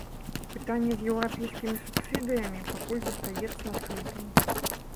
Пытанне з еўрапейскімі субсідыямі пакуль застаецца адкрытым.